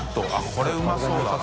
これうまそうだな。